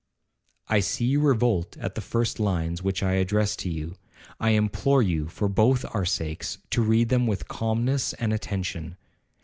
I see you revolt at the first lines which I address to you,—I implore you, for both our sakes, to read them with calmness and attention.